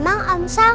emang omsa yang berani